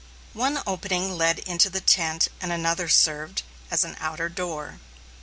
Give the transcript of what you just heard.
One opening led into the tent and another served as an outer door.